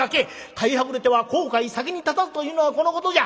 買いはぐれては後悔先に立たずというのはこのことじゃ。